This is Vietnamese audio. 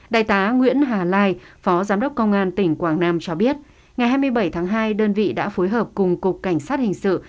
đại tá nguyễn hà lai phó giám đốc công an tỉnh quảng nam cho biết ngày hai mươi bảy tháng hai đơn vị đã phối hợp cùng cục cảnh sát hình sự